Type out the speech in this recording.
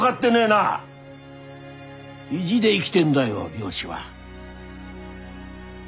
意地で生ぎでんだよ漁師は。